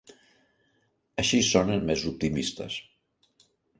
Així sonen més optimistes.